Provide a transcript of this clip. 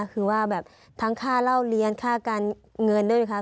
คือว่าแบบทั้งค่าเล่าเลี้ยงค่าการเงินด้วยนะคะ